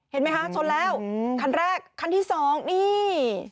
เห็นไหมคะชนแล้วคันแรกคันที่สองนี่